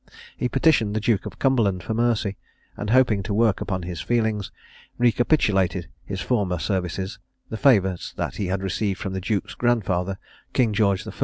He petitioned the Duke of Cumberland for mercy; and, hoping to work upon his feelings, recapitulated his former services, the favours that he had received from the duke's grandfather, King George I.